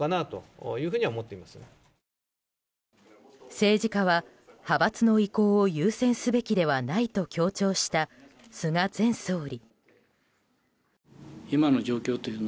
政治家は派閥の意向を優先すべきではないと強調した菅前総理。